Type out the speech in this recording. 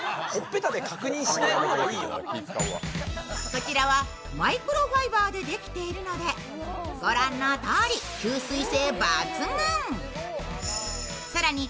こちらはマイクロファイバーでできているのでご覧のとおり吸水性抜群。